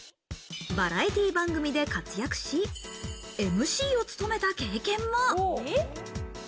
バラエティー番組で活躍し、ＭＣを務めた経験も。